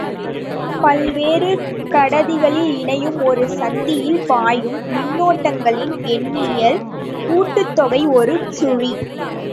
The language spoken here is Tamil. பல்வேறு கடத்திகளில் இணையும் ஒரு சந்தியில் பாயும் மின்னோட்டங்களின் எண்ணியல் கூட்டுத்தொகை ஒரு சுழி.